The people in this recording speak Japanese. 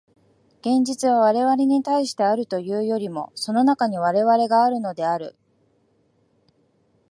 現実は我々に対してあるというよりも、その中に我々があるのである。